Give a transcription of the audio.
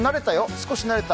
少しなれた。